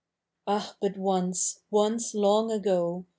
' Ah, but once— once long ago.